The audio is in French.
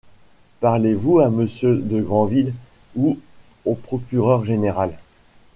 Parlez-vous à monsieur de Grandville ou au procureur général?